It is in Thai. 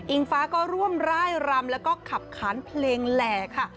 ฟ้าก็ร่วมร่ายรำแล้วก็ขับขานเพลงแหล่ค่ะ